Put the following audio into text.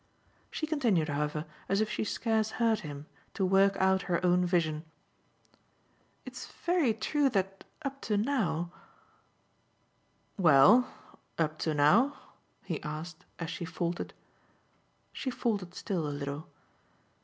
She continued however, as if she scarce heard him, to work out her own vision. "It's very true that up to now " "Well, up to now?" he asked as she faltered. She faltered still a little.